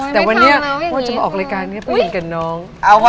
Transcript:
แต่วันนี้ว่าแต่จะมาออกรายการแบบนี้จะเป็นเพียงเกิดน้อง